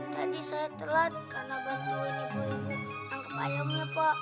tadi saya telat karena bantuin ibu ibu angkep ayamnya pak